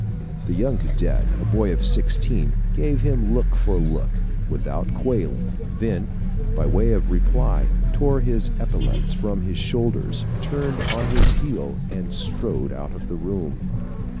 The young cadet, a boy of sixteen, gave him look for look, without quailing then by way of reply tore his epaulettes from his shoulders, turned on his heel, and strode out of the room.